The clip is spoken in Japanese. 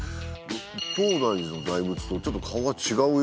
東大寺の大仏とちょっと顔がちがうような。